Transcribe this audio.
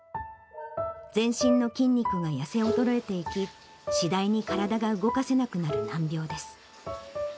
全身の筋肉が痩せ衰えていき、次第に体が動かせなくなる難病です。